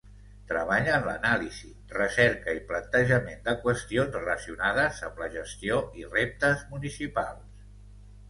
Treballa en l'anàlisi, recerca i plantejament de qüestions relacionades amb la gestió i reptes municipals.